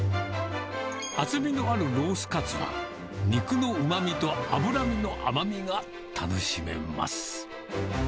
厚みのあるロースかつは、肉のうまみと脂身の甘みが楽しめます。